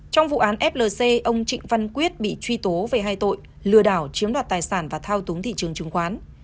trong vụ án flc ông trịnh văn quyết bị truy tố về hai tội lừa đảo chiếm đoạt tài sản và thao túng thị trường chứng khoán